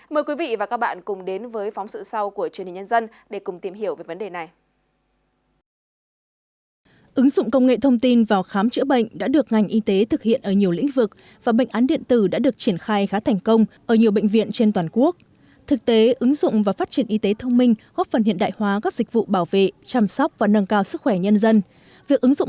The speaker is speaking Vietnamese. mời quý vị và các bạn cùng đến với phóng sự sau của truyền hình nhân dân để cùng tìm hiểu về vấn đề này